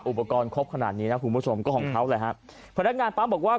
อุปกรณ์ครบขนาดนี้นะคุณผู้ชมก็ของเขาแหละฮะพนักงานปั๊มบอกว่า